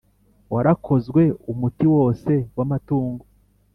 warakozwe umuti wose w amatungo